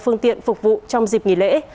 phương tiện phục vụ trong dịp nghỉ lễ